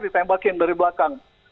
ditembakin dari belakang